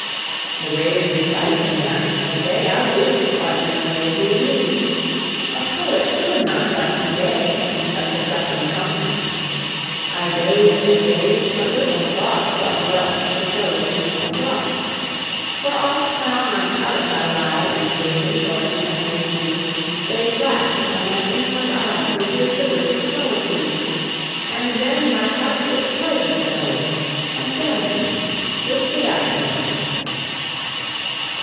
The waves beside them danced, but they Outdid the sparkling waves in glee: A poet could not but be gay In such a jocund company; I gazed and gazed but little thought What wealth the show to me had brought. For oft, when on my couch I lie In vacant or in pensive mood, They flash upon that inward eye Which is the bliss of solitude; And then my heart with pleasure fills, And dances with the daffodils.